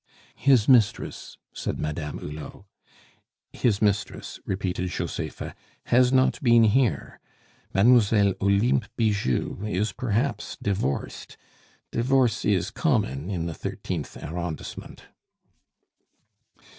"His mistress," said Madame Hulot. "His mistress," repeated Josepha, "has not been here. Mademoiselle Olympe Bijou is perhaps divorced. Divorce is common in the thirteenth arrondissement."